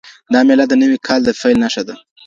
دا مېله د نوي کال د پیل نښه ده.